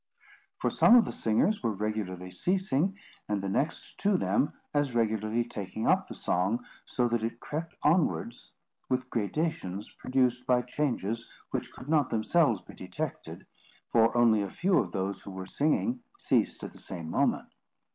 For some of the singers were regularly ceasing, and the next to them as regularly taking up the song, so that it crept onwards with gradations produced by changes which could not themselves be detected, for only a few of those who were singing ceased at the same moment.